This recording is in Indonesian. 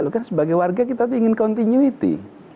loh kan sebagai warga kita ingin continuity